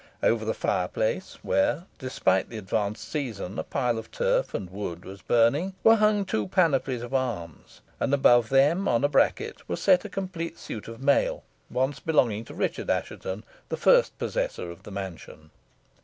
Over the fireplace, where, despite the advanced season, a pile of turf and wood was burning, were hung two panoplies of arms, and above them, on a bracket, was set a complete suit of mail, once belonging to Richard Assheton, the first possessor of the mansion.